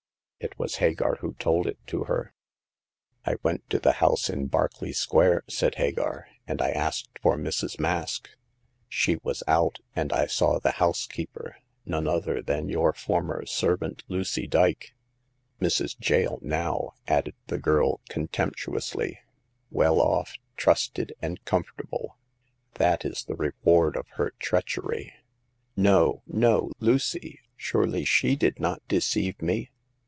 It was Hagar who told it to her. I went to the house in Berkeley Square," said Hagar, *' and I asked for Mrs. Mask. She was out, and I saw the housekeeper — none other than your former servant, Lucy Dyke ; Mrs. Jael now," added the girl, contemptuously — well off, trusted, and comfortable. That is the reward of her treachery." " No, no ! Lucy— surely she did not deceive me?"